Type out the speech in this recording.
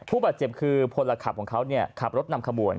ผู้บาดเจ็บคือพลขับของเขาขับรถนำขบวน